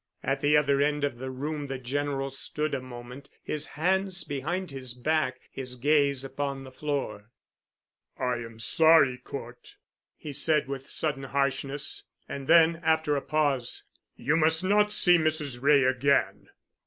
At the other end of the room the General stood a moment, his hands behind his back, his gaze upon the floor. "I am sorry, Cort," he said with sudden harshness. And then, after a pause, "You must not see Mrs. Wray again."